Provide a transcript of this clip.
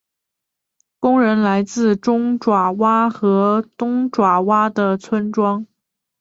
工人来自中爪哇和东爪哇的村庄。